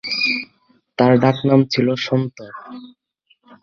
তার ডাকনাম ছিল সন্তু।